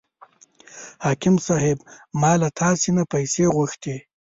حاکم صاحب ما له تاسې نه پیسې غوښتې.